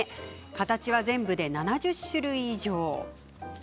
形は全部で７０種類以上。